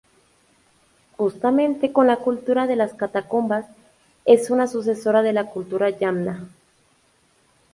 Juntamente con la cultura de las catacumbas, es una sucesora de la cultura yamna.